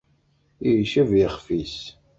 Icab yixef-is.